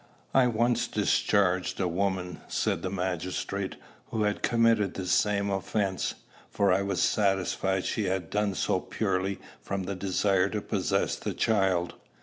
"I once discharged a woman," said the magistrate, "who had committed the same offence, for I was satisfied she had done so purely from the desire to possess the child."